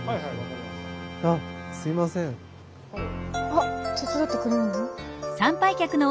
あっ手伝ってくれるの？